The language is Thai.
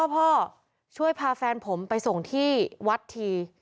พ่อช่วยพาแฟนผมไปส่งที่วัดที